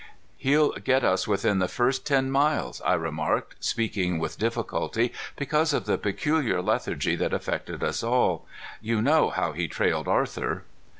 "He'll get us within the first ten miles," I remarked, speaking with difficulty because of the peculiar lethargy that affected us all. "You know how he trailed Arthur."